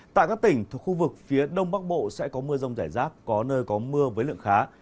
tại các tỉnh thuộc khu vực phía đông bắc bộ sẽ có mưa rông rải rác có nơi có mưa với lượng khá